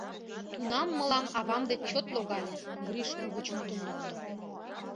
— Тунам мылам авам деч чот логале, — Гриш угыч мутым лукто.